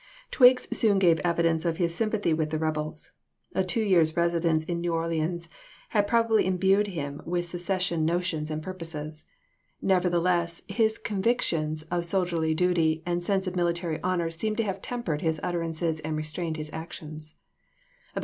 Twiggs soon gave evidence of his sympathy with the rebels. A two years' residence in New Orleans had probably imbued him with secession 179 180 ABRAHAM LINCOLN CHAP. IX. notions and purposes. Nevertheless his convic tions of soldierly duty and sense of military honor seem to have tempered his utterances and restrained his actions.